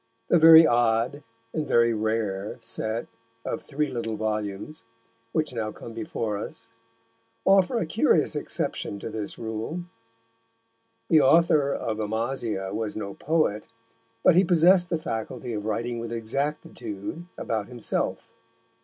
The very odd and very rare set of three little volumes, which now come before us, offer a curious exception to this rule. The author of Amasia was no poet, but he possessed the faculty of writing with exactitude about himself.